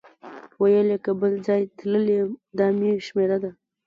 ویل یې که بل ځای تللی دا مې شمېره ده.